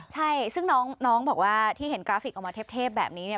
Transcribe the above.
ใช่ซึ่งน้องบอกว่าที่เห็นกราฟิกออกมาเทพแบบนี้เนี่ย